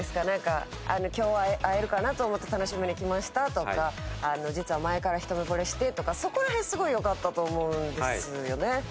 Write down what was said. なんか「今日会えるかなと思って楽しみに来ました」とか「実は前から一目惚れして」とかそこら辺すごい良かったと思うんですよね。